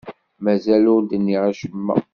Mazal ur d-nniɣ acemma.